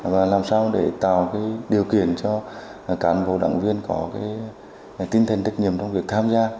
và làm sao để tạo điều kiện cho cán bộ đảng viên có tinh thần trách nhiệm trong việc tham gia